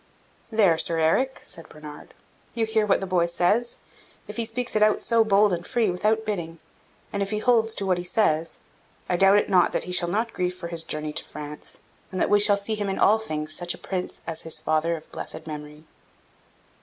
"There, Sir Eric," said Bernard, "you hear what the boy says. If he speaks it out so bold and free, without bidding, and if he holds to what he says, I doubt it not that he shall not grieve for his journey to France, and that we shall see him, in all things, such a Prince as his father of blessed memory."